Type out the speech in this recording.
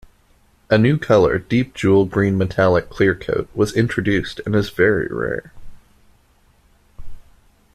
A new color, Deep Jewel Green Metallic Clearcoat, was introduced and is very rare.